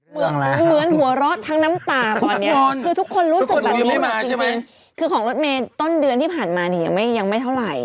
เหมือนหัวเราะทั้งน้ำตาตอนนี้คือทุกคนรู้สึกแบบนี้จริงคือของรถเมย์ต้นเดือนที่ผ่านมาเนี่ยยังไม่เท่าไหร่